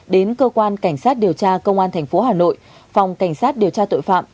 đến cơ quan cảnh sát điều tra công an tp hà nội phòng cảnh sát điều tra tội phạm